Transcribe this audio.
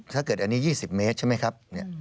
ถ้าเกิดอันนี้๒๐เมตรใช่ไหมครับ